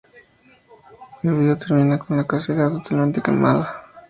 El vídeo termina con la caseta totalmente quemada.